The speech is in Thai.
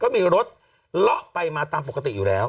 มีรถเลาะไปมาตามปกติอยู่แล้ว